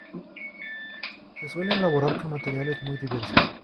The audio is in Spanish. Se suele elaborar con materiales muy diversos.